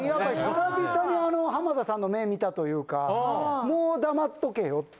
久々に浜田さんの目見たというかもう黙っとけよっていう。